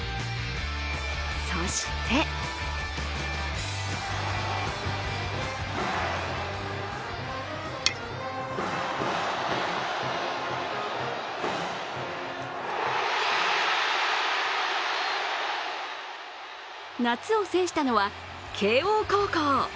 そして夏を制したのは慶応高校。